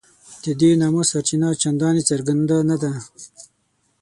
د دې نامه سرچینه چنداني څرګنده نه ده.